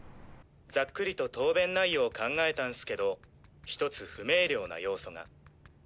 ざっくりと答弁内容考えたんスけど１つ不明瞭な要素が。